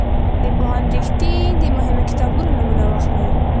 د پوهاند رښتین د مهمو کتابونو نومونه واخلئ.